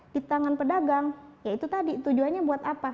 di tangan pedagang ya itu tadi tujuannya buat apa